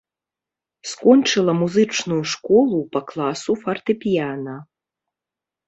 Скончыла музычную школу па класу фартэпіяна.